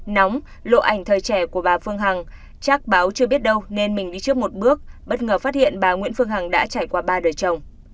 nóng lộ ảnh thời trẻ của bà phương hằng chắc báo chưa biết đâu nên mình đi trước một bước bất ngờ phát hiện bà nguyễn phương hằng đã trải qua ba đời chồng